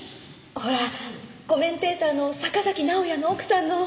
ほらコメンテーターの坂崎直哉の奥さんの。